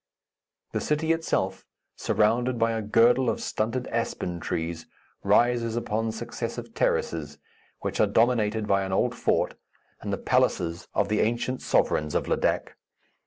The city itself, surrounded by a girdle of stunted aspen trees, rises upon successive terraces, which are dominated by an old fort and the palaces of the ancient sovereigns of Ladak.